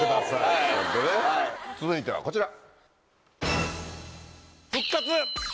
続いてはこちら。